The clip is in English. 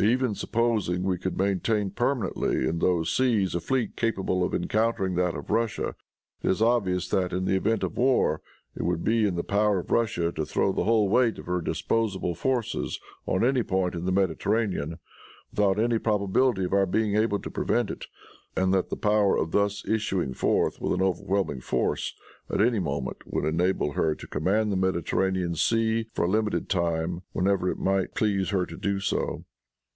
Even supposing we could maintain permanently in those seas a fleet capable of encountering that of Russia, it is obvious that, in the event of a war, it would be in the power of Russia to throw the whole weight of her disposable forces on any point in the Mediterranean, without any probability of our being able to prevent it, and that the power of thus issuing forth with an overwhelming force, at any moment, would enable her to command the Mediterranean Sea for a limited time whenever it might please her so to do.